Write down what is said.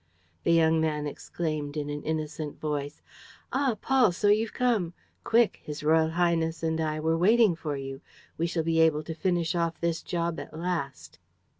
The young man exclaimed, in an innocent voice: "Ah, Paul, so you've come? Quick! His royal highness and I were waiting for you. We shall be able to finish off this job at last!"